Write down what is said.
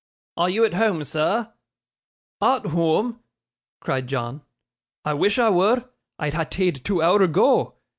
'Are you at home, sir?' 'At whoam!' cried John, 'I wish I wur; I'd ha tea'd two hour ago.